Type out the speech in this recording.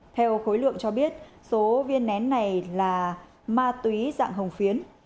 theo khối lượng cho biết số viên nén này là ma túy dạng hồng phiến